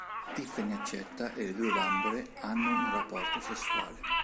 Tiffany accetta e le due bambole hanno un rapporto sessuale.